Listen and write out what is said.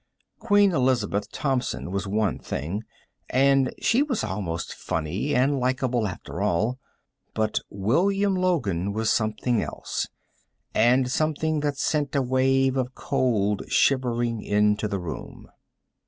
Queen Elizabeth Thompson was one thing and she was almost funny, and likable, after all. But William Logan was something else, and something that sent a wave of cold shivering into the room.